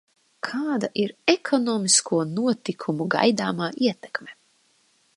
Kāda ir ekonomisko notikumu gaidāmā ietekme?